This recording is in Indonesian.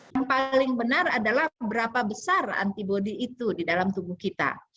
yang paling benar adalah berapa besar antibody itu di dalam tubuh kita